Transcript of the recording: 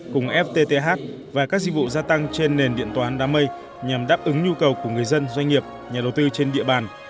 cùng ftth và các dịch vụ gia tăng trên nền điện toán đám mây nhằm đáp ứng nhu cầu của người dân doanh nghiệp nhà đầu tư trên địa bàn